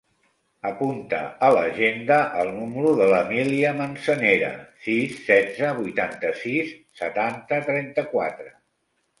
Apunta a l'agenda el número de l'Emília Manzanera: sis, setze, vuitanta-sis, setanta, trenta-quatre.